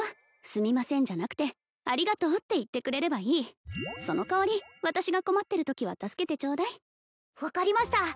すみませんじゃなくてありがとうって言ってくれればいいその代わり私が困ってるときは助けてちょうだい分かりました